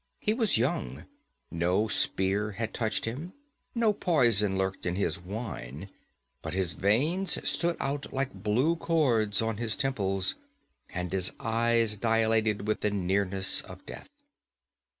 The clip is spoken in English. He was young; no spear had touched him, no poison lurked in his wine. But his veins stood out like blue cords on his temples, and his eyes dilated with the nearness of death.